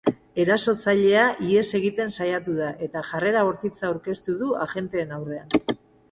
Erasotzailea ihes egiten saiatu da eta jarrera bortitza aurkeztu du agenteen aurrean.